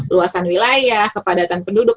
luasan wilayah kepadatan penduduk